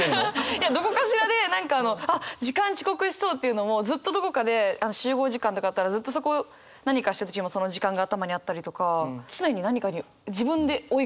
いやどこかしらで何かあのあっ時間遅刻しそうっていうのもずっとどこかで集合時間とかあったらずっとそこ何かしてる時もその時間が頭にあったりとか常に何かに自分で追い込んでる？